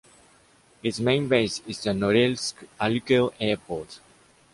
Its main base is the Norilsk-Alykel Airport.